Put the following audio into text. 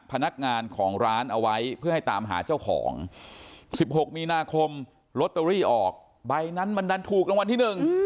พนักงานของร้านเอาไว้เพื่อให้ตามหาเจ้าของ๑๖มีนาคมลอตเตอรี่ออกใบนั้นมันดันถูกรางวัลที่หนึ่ง